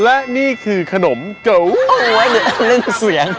และนี่คือขนมเกาโอ้โหนึกกื่นเสียง